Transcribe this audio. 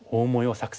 作戦